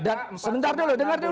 dan sebentar dulu dengar dulu